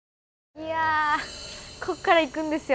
いやこっからいくんですよ